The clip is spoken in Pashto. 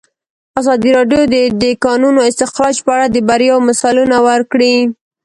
ازادي راډیو د د کانونو استخراج په اړه د بریاوو مثالونه ورکړي.